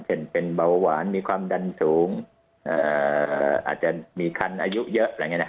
เช่นเป็นเบาหวานมีความดันสูงอาจจะมีคันอายุเยอะอะไรอย่างนี้นะฮะ